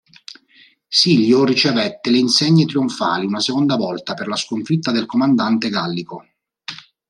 Silio ricevette le insegne trionfali una seconda volta per la sconfitta del comandante gallico.